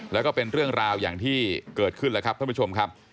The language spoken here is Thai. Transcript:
แล้วก็เป็นเรื่องราวอย่างที่เกิดขึ้นแล้วครับท่านผู้ชมครับ